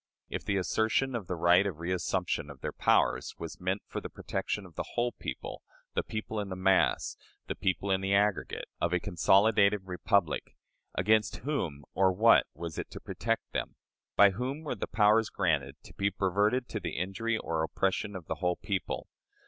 If the assertion of the right of reassumption of their powers was meant for the protection of the whole people the people in mass the people "in the aggregate" of a consolidated republic against whom or what was it to protect them? By whom were the powers granted to be perverted to the injury or oppression of the whole people?